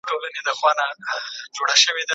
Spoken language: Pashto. ¬ د خواري کونډي زويه، خپلي روټۍ ژويه!